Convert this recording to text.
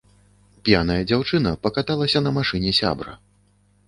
П'яная дзяўчына пакаталася на машыне сябра.